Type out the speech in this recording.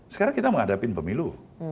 sekarang kita menghadapin pemilu